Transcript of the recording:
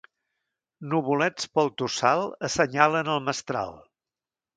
Nuvolets pel tossal assenyalen el mestral.